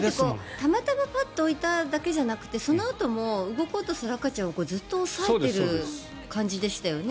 たまたまパッと置いただけじゃなくてそのあと動こうとする赤ちゃんをずっと押さえてる感じでしたよね。